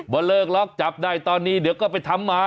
ว่าเลิกล็อกจับได้ตอนนี้เดี๋ยวก็ไปทำมา